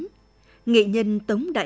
mình xin cảm ơn các bạn đã theo dõi